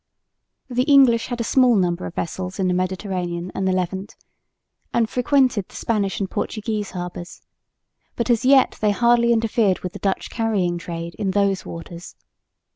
The English had a small number of vessels in the Mediterranean and the Levant, and frequented the Spanish and Portuguese harbours, but as yet they hardly interfered with the Dutch carrying trade in those waters.